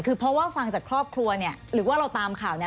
คือเพราะว่าฟังจากครอบครัวเนี่ยหรือว่าเราตามข่าวเนี่ย